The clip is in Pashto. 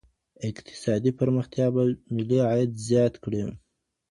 اقتصادي پرمختیا به ملي عاید زیات کړي.